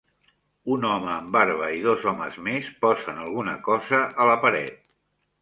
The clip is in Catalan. Un home amb barba i dos homes més posen alguna cosa a la paret.